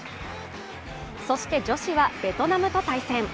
そして、女子はベトナムと対戦。